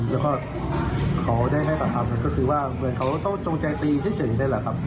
แล้วก็เขาได้ให้ปากคำก็คือว่าเหมือนเขาต้องจงใจตีเฉยนั่นแหละครับ